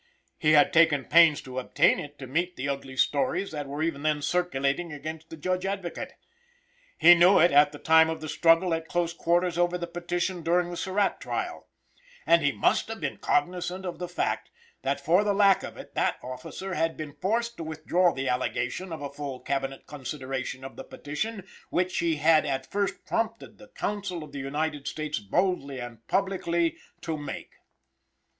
He had taken pains to obtain it to meet the ugly stories that were even then circulating against the Judge Advocate. He knew it at the time of the struggle at close quarters over the petition during the Surratt trial, and he must have been cognizant of the fact, that for the lack of it, that officer had been forced to withdraw the allegation of a full Cabinet consideration of the petition, which he had at first prompted the counsel of the United States boldly and publicly to make.